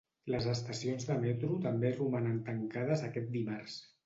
Les estacions de metro també romanen tancades aquest dimarts.